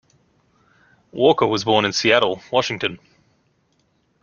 Walker was born in Seattle, Washington.